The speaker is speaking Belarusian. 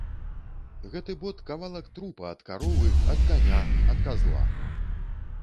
Гэты бот кавалак трупа ад каровы, ад каня, ад казла!